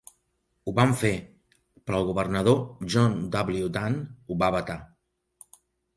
Ho van fer, però el governador John W. Dan ho va vetar.